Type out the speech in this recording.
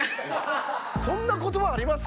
そんな言葉あります？